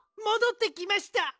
もどってきました！